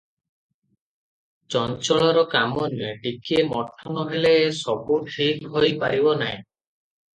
ଚଞ୍ଚଳର କାମ ନୁହେ- ଟିକିଏ ମଠ ନ ହେଲେ ସବୁ ଠିକ ହୋଇ ପାରିବ ନାହିଁ ।